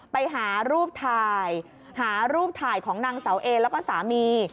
ไปหารูปถ่ายหารูปถ่ายของนางเสาเอแล้วก็สามี